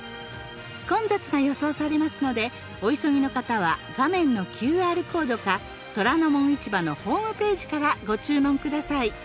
混雑が予想されますのでお急ぎの方は画面のＱＲコードか『虎ノ門市場』のホームページからご注文ください。